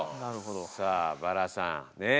さあバラさんねえ。